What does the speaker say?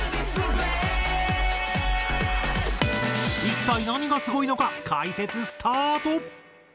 一体何がすごいのか解説スタート。